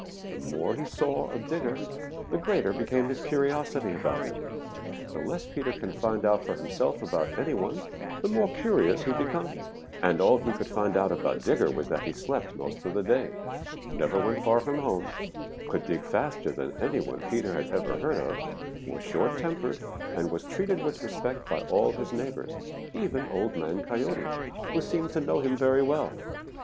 The more he saw of Digger, the greater became his curiosity about him. The less Peter can find out for himself about any one, the more curious he becomes, and all he could find out about Digger was that he slept most of the day, never went far from home, could dig faster than any one Peter had ever heard of, was short tempered, and was treated with respect by all his neighbors, even Old Man Coyote, who seemed to know him very well.